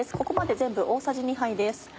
ここまで全部大さじ２杯です。